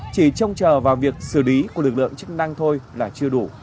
chỉ trông chờ vào việc xử lý của lực lượng chức năng thôi là chưa đủ